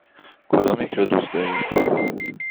کدامیک را دوست دارید؟